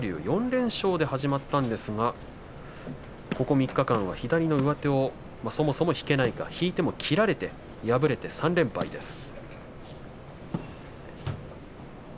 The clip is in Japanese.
４連勝で始まったんですがここ３日間は左の上手をそもそも引けないか引いても切られて敗れて３連敗です。